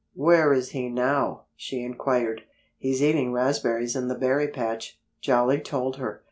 "Where is he now?" she inquired. "He's eating raspberries in the berry patch," Jolly told her.